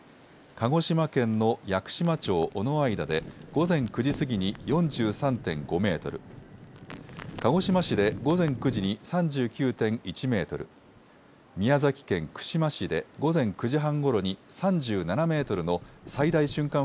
鹿児島県の屋久島町尾之間で午前９時過ぎに４３．５メートル、鹿児島市で午前９時に３９．１メートル、宮崎県串間市で午前９時半ごろに３７メートルの最大瞬間